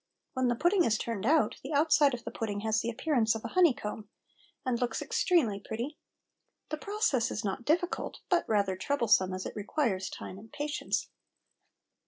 When the pudding is turned out the outside of the pudding has the appearance of a honey comb, and looks extremely pretty. The process is not difficult, but rather troublesome, as it requires time and patience.